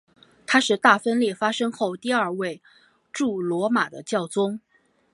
他是大分裂发生后第二位驻罗马的教宗。